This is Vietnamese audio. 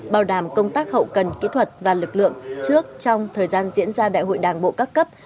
bảo đảm công tác hậu cần kỹ thuật và lực lượng trước trong thời gian diễn ra đại hội đảng bộ các cấp